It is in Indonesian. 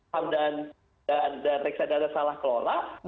ham dan reksadana salah kelola